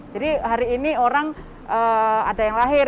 jadi hari ini orang ada yang lahir